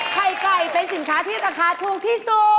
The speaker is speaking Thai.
ไข่ไก่เป็นสินค้าที่ราคาถูกที่สุด